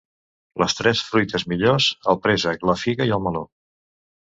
Les tres fruites millors: el préssec, la figa i el meló.